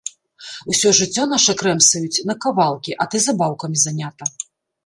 Усё жыццё наша крэмсаюць на кавалкі, а ты забаўкамі занята.